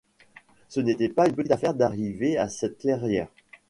Ce n’était pas une petite affaire d’arriver à cette clairière.